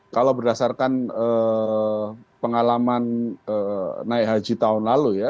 kalau berdasarkan pengalaman naik haji tahun lalu ya